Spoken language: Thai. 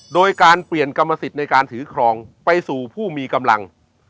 โดยการเปลี่ยนกรรมสิทธิ์ในการถือครองไปสู่ผู้มีกำลัง